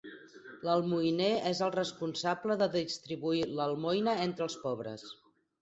L'almoiner és el responsable de distribuir l'almoina entre els pobres.